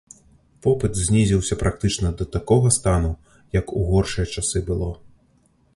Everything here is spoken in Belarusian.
Попыт знізіўся практычна да такога стану, як у горшыя часы было.